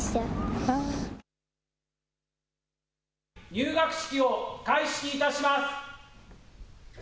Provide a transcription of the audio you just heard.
入学式を開式いたします。